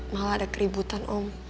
malah ada keributan om